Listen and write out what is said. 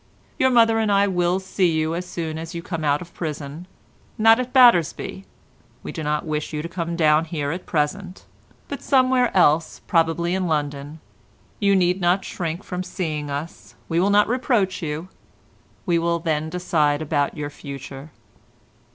Your mother and I will see you as soon as you come out of prison; not at Battersby—we do not wish you to come down here at present—but somewhere else, probably in London. You need not shrink from seeing us; we shall not reproach you. We will then decide about your future.